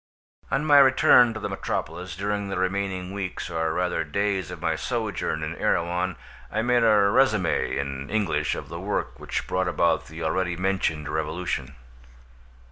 On my return to the metropolis, during the remaining weeks or rather days of my sojourn in Erewhon I made a resumé in English of the work which brought about the already mentioned revolution.